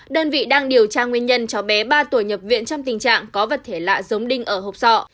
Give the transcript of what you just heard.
đơn vị đang điều tra nguyên nhân cháu bé ba tuổi nhập viện trong tình trạng có vật thể lạ giống đinh ở hộp sọ